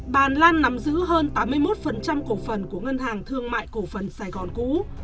bà lan nắm giữ hơn tám mươi một cổ phần của ngân hàng thương mại cổ phần sài gòn cũ